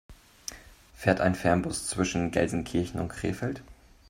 Fährt ein Fernbus zwischen Gelsenkirchen und Krefeld?